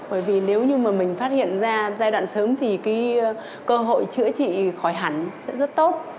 bởi vì nếu như mà mình phát hiện ra giai đoạn sớm thì cái cơ hội chữa trị khỏi hẳn sẽ rất tốt